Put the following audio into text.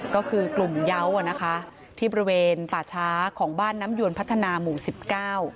ก็คือกลุ่มเยาว์อ่ะนะคะที่บริเวณป่าช้าของบ้านน้ำยวนพัฒนาหมู่สิบเก้า